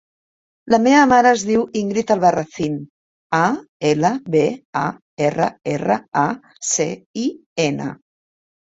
La meva mare es diu Íngrid Albarracin: a, ela, be, a, erra, erra, a, ce, i, ena.